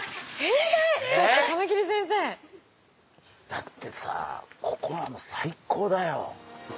だってさここはもう最高だよ！